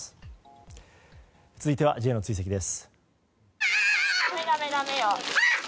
続いてはＪの追跡です。